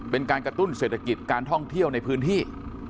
เป็นการกระตุ้นเศรษฐกิจการท่องเที่ยวในพื้นที่